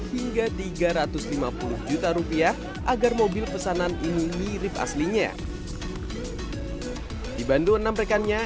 hingga tiga ratus lima puluh juta rupiah agar mobil pesanan ini mirip aslinya di bandung menamprekannya